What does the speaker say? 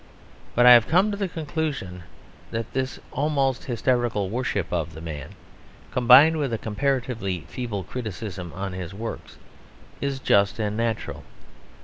But I have come to the conclusion that this almost hysterical worship of the man, combined with a comparatively feeble criticism on his works, is just and natural.